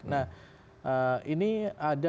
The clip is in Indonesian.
nah ini ada